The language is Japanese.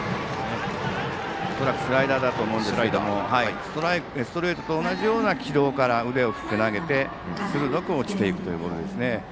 恐らくスライダーだと思うんですけれどもストレートと同じような軌道から腕を振って投げて鋭く落ちていくというボールですね。